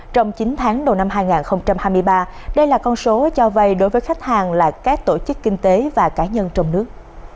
trong chín tháng đầu năm hai nghìn hai mươi ba đây là con số cho vay đối với khách hàng là các tổ chức kinh tế và cá nhân trong nước